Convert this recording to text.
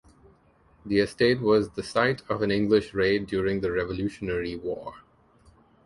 The estate was the site of an English raid during the Revolutionary War.